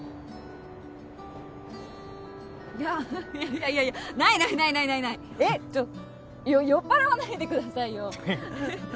いやいやいやないないないないえっちょよ酔っ払わないでくださははっ。